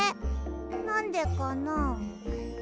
なんでかな？